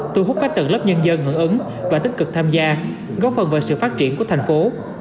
thu hút các tầng lớp nhân dân hưởng ứng và tích cực tham gia góp phần vào sự phát triển của thành phố